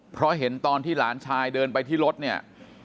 เพราะเห็นตอนที่หลานชายเดินไปที่รถเนี่ย